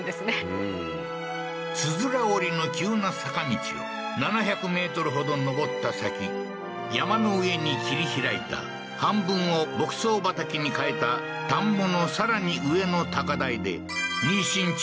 うんつづら折りの急な坂道を７００メートルほど上った先山の上に切り開いた半分を牧草畑に変えた田んぼのさらに上の高台で妊娠中の牝牛が数頭